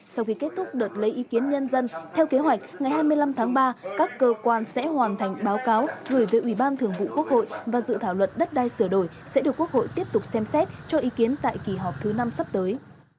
sau khi kết thúc đợt lấy ý kiến nhân dân theo kế hoạch ngày hai mươi năm tháng ba các cơ quan sẽ hoàn thành báo cáo gửi về ủy ban thường vụ quốc hội và dự thảo luật đất đai sửa đổi sẽ được quốc hội tiếp tục xem xét cho ý kiến tại kỳ họp thứ năm sắp tới